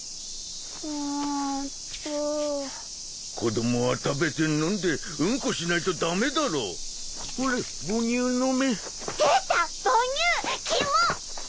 うんと子供は食べて飲んでウンコしないとダメだろほら母乳飲め出た母乳キモっ！